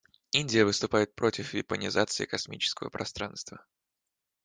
Индия выступает против вепонизации космического пространства.